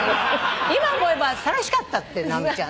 今思えば楽しかったって直美ちゃん。